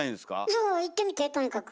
そう行ってみてとにかく。